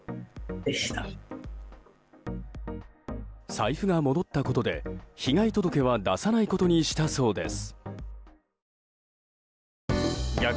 財布が戻ったことで、被害届は出さないことにしたそうです。